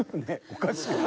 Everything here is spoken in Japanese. おかしいよ。